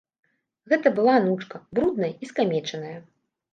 Гэта была анучка, брудная і скамечаная.